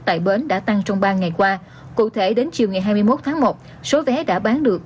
tại bến đã tăng trong ba ngày qua cụ thể đến chiều ngày hai mươi một tháng một số vé đã bán được